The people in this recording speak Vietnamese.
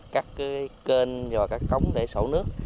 các kênh và các cống để sổ nước